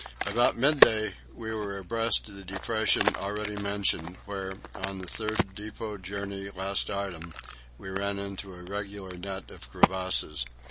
About midday we were abreast of the depression already mentioned, where, on the third depot journey last autumn, we ran into a regular net of crevasses.